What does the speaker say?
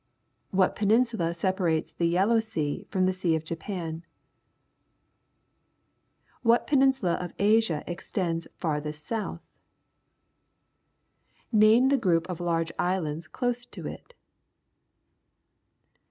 What peninsula sejiar ates the Yellow Sea from the Sea of Japan ? What peninsula of Asia extends farthest south ? Name the group of large islands close to it.